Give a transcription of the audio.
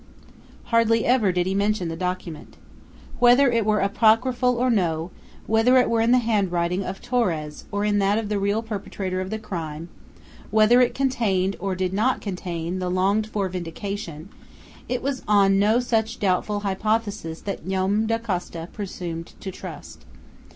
Hardly ever did he mention the document. Whether it were apocryphal or no, whether it were in the handwriting of Torres or in that of the real perpetrator of the crime, whether it contained or did not contain the longed for vindication, it was on no such doubtful hypothesis that Joam Dacosta presumed to trust.